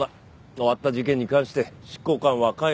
終わった事件に関して執行官は関与しない。